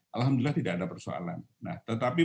alhamdulillah tidak ada persoalan nah tetapi